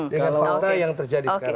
dengan fakta yang terjadi sekarang